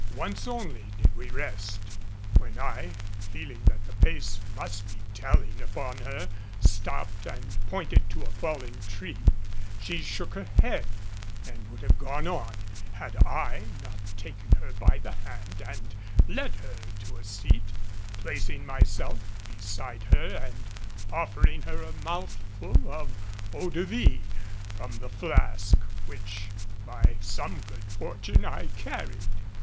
Once only did we rest. When I, feeling that the pace must be telling upon her, stopped and pointed to a fallen tree, she shook her head and would have gone on had I not taken her by the hand and led her to a seat, placing myself beside her and offering her a mouthful of eau de vie from the flask which by some good fortune I carried.